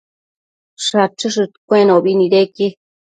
Shachëshëdcuenobi nidequi